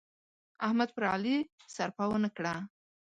احمد پر علي سرپه و نه کړه.